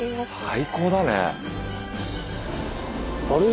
最高だね。